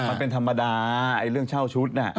น่ะเป็นธรรมดาไอเรื่องเช่าชุดเนอะ